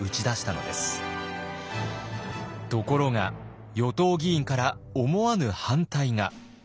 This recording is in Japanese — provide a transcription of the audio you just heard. ところが与党議員から思わぬ反対が。